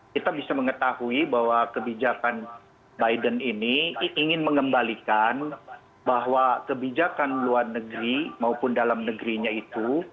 kita bisa mengetahui bahwa kebijakan biden ini ingin mengembalikan bahwa kebijakan luar negeri maupun dalam negerinya itu